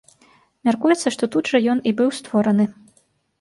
Мяркуецца, што тут жа ён і быў створаны.